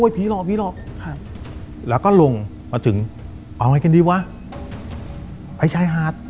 ผีหลอกผีหลอกครับแล้วก็ลงมาถึงเอาไงกันดีวะไปชายหาด